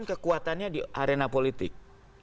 kekuatannya di arena politik